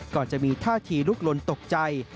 ก่อนจะมีท่าทีลุกลนตกใจ